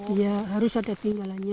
iya harus ada tinggalannya